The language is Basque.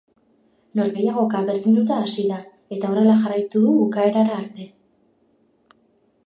Norgehiagoka berdintuta hasi da, eta horrela jarraitu du bukaerara arte.